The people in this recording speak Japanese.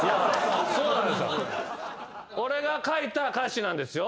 俺が書いた歌詞なんですよ。